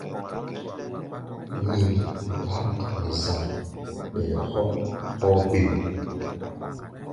Nini baá duk nɛ zaŋ, ɓɛɛ hɔ́ hɔ́ɔ́-bêm.